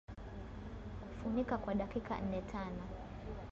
Funika kwa dakika nnetano